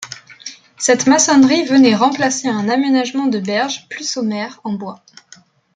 Cette maçonnerie venait remplacer un aménagement de berge plus sommaire en bois.